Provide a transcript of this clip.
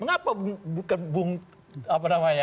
mengapa bukan bung apa namanya